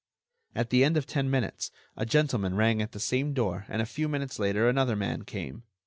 At the end of ten minutes a gentleman rang at the same door and a few minutes later another man came.